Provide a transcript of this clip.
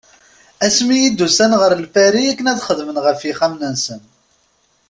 Asmi i d-ussan ɣer Lpari akken ad xedmen ɣef yixxamen-nsen.